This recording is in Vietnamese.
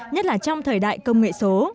nhất là trong thời đại công nghệ số